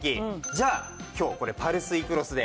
じゃあ今日これパルスイクロスで。